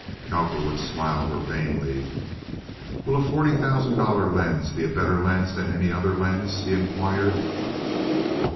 Cowperwood smiled urbanely. "Will a forty thousand dollar lens be a better lens than any other lens?" he inquired.